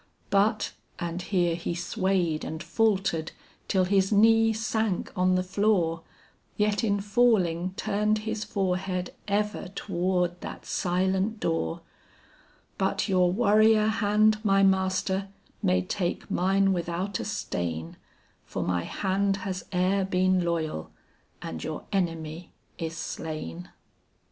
"But," and here he swayed and faltered till his knee sank on the floor, Yet in falling turned his forehead ever toward that silent door; "But your warrior hand my master, may take mine without a stain, For my hand has e'er been loyal, and your enemy is slain."